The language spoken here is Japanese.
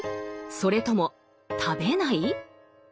それとも食べない？